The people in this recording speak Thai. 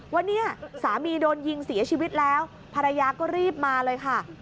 ว่าเนี่ยสามีโดนยิงเสียชีวิตแล้วภรรยาก็รีบมาเลยค่ะ